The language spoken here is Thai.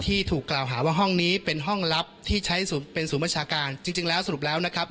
ถูกกล่าวหาว่าห้องนี้เป็นห้องลับที่ใช้ศูนย์เป็นศูนย์บัญชาการจริงแล้วสรุปแล้วนะครับ